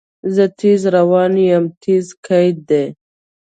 زه تیز روان یم – "تیز" قید دی.